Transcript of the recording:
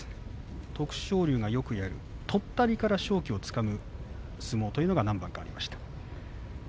徳勝龍がよくやるとったりから勝機をつかむ相撲が何番かありました。